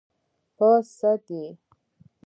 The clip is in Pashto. _ په سد يې؟